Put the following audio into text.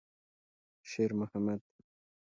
شېرمحمد.